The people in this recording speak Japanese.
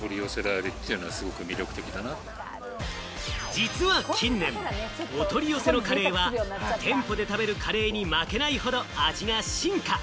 実は近年、お取り寄せのカレーは、店舗で食べるカレーに負けないほど味が進化。